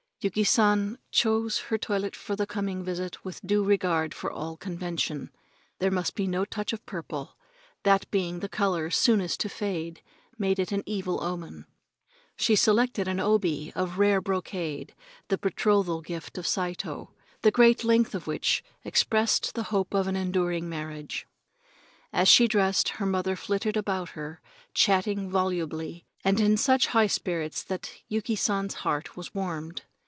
Yuki San chose her toilet for the coming visit with due regard for all convention. There must be no touch of purple that being the color soonest to fade made it an evil omen. She selected an obi of rare brocade, the betrothal gift of Saito, the great length of which expressed the hope of an enduring marriage. As she dressed, her mother flitted about her, chatting volubly and in such high spirits that Yuki San's heart was warmed.